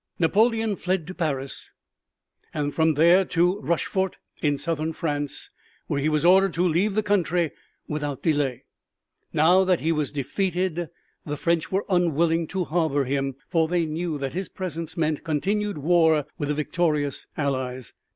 Napoleon fled to Paris and from there to Rochefort in southern France, where he was ordered to leave the country without delay. Now that he was defeated the French were unwilling to harbor him, for they knew that his presence meant continued war with the victorious Allies.